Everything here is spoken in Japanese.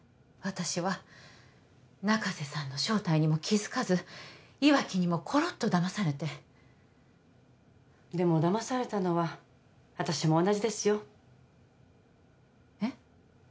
私は中瀬さんの正体にも気づかず岩城にもころっとだまされてでもだまされたのは私も同じですよえっ？